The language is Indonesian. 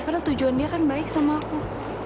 karena tujuan dia kan baik sama aku